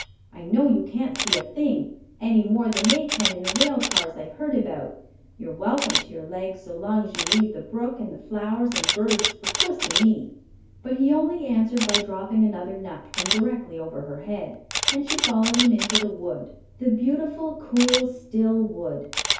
I know you can't see a thing, any more than they can in the rail cars I've heard about. You're welcome to your legs so long as you leave the brook, and the flowers, and birds for puss and me." But he only answered by dropping another nut from directly over her head, and she followed him into the wood the beautiful, cool, still wood.